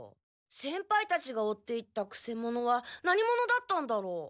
先輩たちが追っていったくせ者は何者だったんだろう？